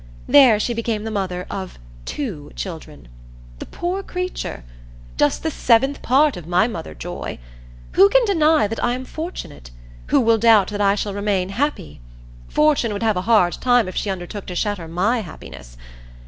There she became the mother of two children the poor creature! Just the seventh part of my mother joy! Who can deny that I am fortunate? Who will doubt that I shall remain happy? Fortune would have a hard time if she undertook to shatter my happiness.